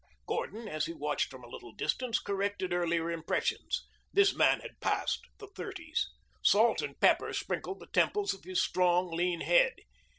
Gordon, as he watched from a little distance, corrected earlier impressions. This man had passed the thirties. Salt and pepper sprinkled the temples of his strong, lean head.